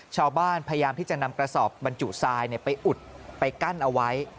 พยายามที่จะนำกระสอบบรรจุทรายไปอุดไปกั้นเอาไว้